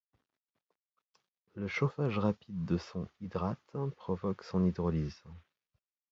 Le chauffage rapide de son hydrate provoque son hydrolyse.